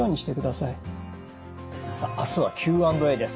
さあ明日はＱ＆Ａです。